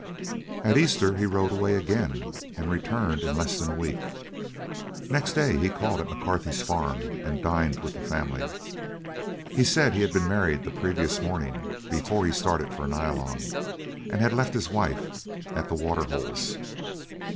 At Easter he rode away again and returned in less than a week. Next day he called at McCarthy's farm and dined with the family. He said he had been married the previous morning before he had started for Nyalong, and had left his wife at the Waterholes.